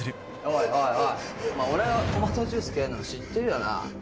お前俺がトマトジュース嫌いなの知ってるよな？